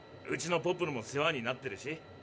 うちのポプルも世話になってるし。